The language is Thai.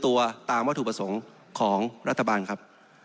ว่าถูกประสงค์ของรัฐบาลครับ